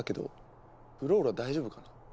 フローラ大丈夫かな。